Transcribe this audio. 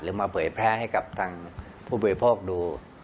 หรือมาเปื่อยแพ้ให้กับทางผู้บุยโภคดู